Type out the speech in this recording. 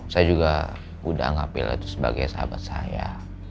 saya juga udah ngapil itu sebagai sahabat saya